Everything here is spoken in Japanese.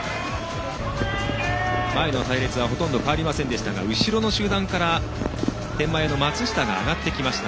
前の隊列はほとんど変わりませんでしたが後ろの集団から天満屋の松下が上がってました。